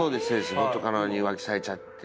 元カノに浮気されちゃって。